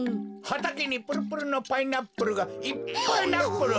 はたけにプルプルのパイナップルがいっパイナップル。